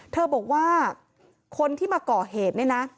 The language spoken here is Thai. เธอบอกว่าคนที่มาก่อเหตุเนี่ยนะ